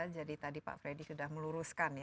jadi tadi pak freddy sudah meluruskan